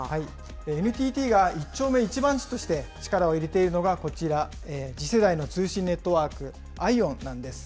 ＮＴＴが一丁目一番地として、力を入れているのがこちら、次世代の通信ネットワーク、ＩＯＷＮなんです。